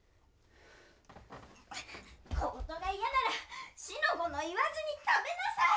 小言が嫌なら四の五の言わずに食べなさい！